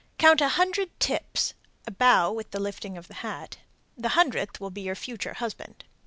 Count a hundred "tips" (a bow with the lifting of the hat). The hundredth will be your future husband.